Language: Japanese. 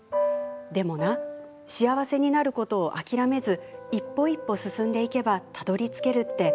でもな、幸せになることを諦めず一歩一歩、進んでいけばたどりつけるって。